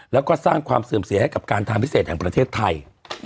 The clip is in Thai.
แล้วก็สร้างความเสื่อมเสียให้กับการทางพิเศษแห่งประเทศไทย